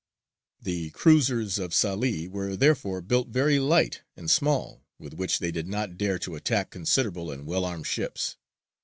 The cruisers of Salē were therefore built very light and small, with which they did not dare to attack considerable and well armed ships.